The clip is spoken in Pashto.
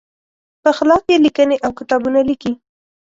په خلاف یې لیکنې او کتابونه لیکي.